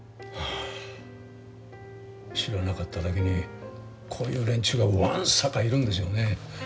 知らなかっただけにこういう連中がわんさかいるんですよね。